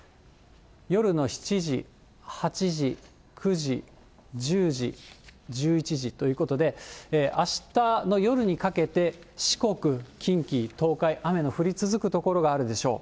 夜の７時、８時、９時、１０時、１１時ということで、あしたの夜にかけて四国、近畿、東海、雨の降り続く所があるでしょう。